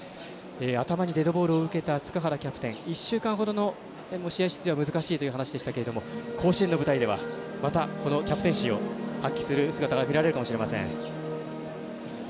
頭にデッドボールを受けた塚原キャプテン１週間ほどの試合出場は難しいという話でしたが甲子園の舞台ではまたキャプテンシーを発揮する姿が見られるかもしれません。